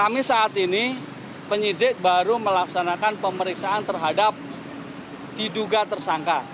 jadi saat ini penyidik baru melaksanakan pemeriksaan terhadap diduga tersangka